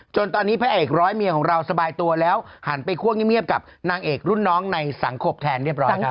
จนตอนนี้พระเอกร้อยเมียของเราสบายตัวแล้วหันไปคั่วเงียบกับนางเอกรุ่นน้องในสังคมแทนเรียบร้อยครับ